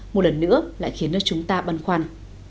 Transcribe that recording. một lần nữa lại khiến chúng ta băn khoăn